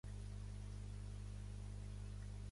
La seva ciutat principal és Balleroy.